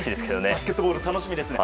バスケットボール楽しみですね。